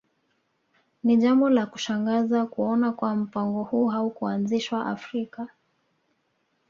Ni jambo la kushangaza kuona kuwa mpango huu haukuanzishwa Afrika